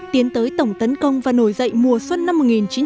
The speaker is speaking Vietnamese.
tiến tới tổng tấn công và nổi dậy mùa xuân năm một nghìn chín trăm bảy mươi năm